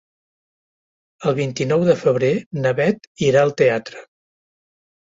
El vint-i-nou de febrer na Bet irà al teatre.